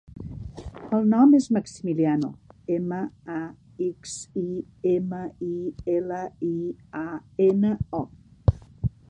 El nom és Maximiliano: ema, a, ics, i, ema, i, ela, i, a, ena, o.